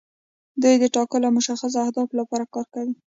دوی د ټاکلو او مشخصو اهدافو لپاره کار کوي.